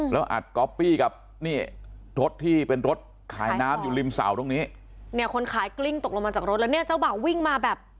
แล้วอัดก๊อปปี้กับนี่รถที่เป็นรถขายน้ำอยู่ริมเสาตรงนี้เนี่ยคนขายกลิ้งตกลงมาจากรถแล้วเนี่ยเจ้าบ่าววิ่งมาแบบ